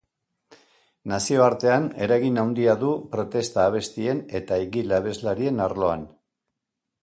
Nazioartean, eragin handia du protesta abestien eta egile abeslarien arloan.